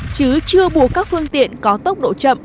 chứ chưa bù các phương tiện có tốc độ chậm